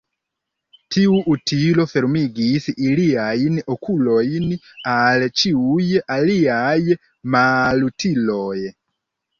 Tiu utilo fermigis iliajn okulojn al ĉiuj aliaj malutiloj.